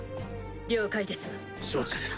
了解ですわ。